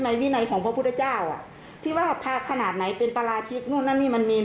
ถ้าเพื่อนปฏิบัติสินเพื่อนสูงกว่าเราใช่ไหม